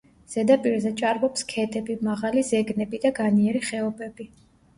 ზედაპირზე ჭარბობს ქედები, მაღალი ზეგნები და განიერი ხეობები.